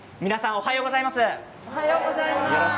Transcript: おはようございます。